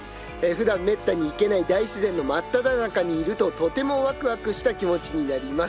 ふだんめったに行けない大自然の真っただ中にいるととてもワクワクした気持ちになります。